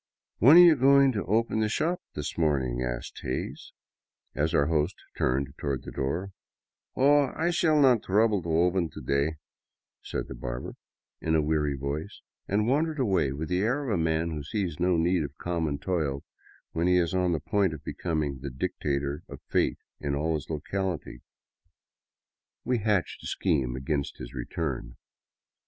"• When are you going to open the shop this morning ?" asked Hays, as our host turned toward the door. " Oh, I shall not trouble to open to day," said the barber, in a weary voice, and wandered away with the air of a man who sees no need of common toil when he is on the point of becoming the dictator of fate in all his locality. We hatched a scheme against his return.